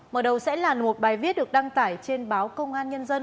mở đầu sẽ là một bài viết được đăng tải trên báo công an nhân dân